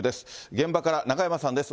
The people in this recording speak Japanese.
現場から中山さんです。